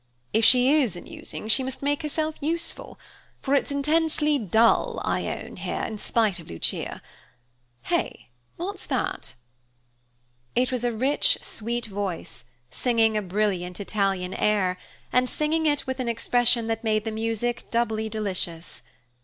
If she is amusing, she must make herself useful; for it's intensely dull, I own, here, in spite of Lucia. Hey, what's that? It was a rich, sweet voice, singing a brilliant Italian air, and singing it with an expression that made the music doubly delicious.